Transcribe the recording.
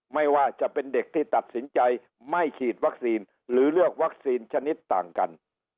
ไม่ว่าจะเป็นเด็กที่ตัดสินใจไม่ฉีดวัคซีนหรือเลือกวัคซีนชนิดต่างกัน